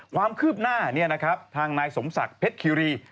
ความคืบหน้าทางนายสมศักดิ์เพชรคิรี